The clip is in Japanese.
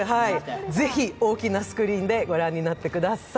ぜひ大きなスクリーンでご覧になってください。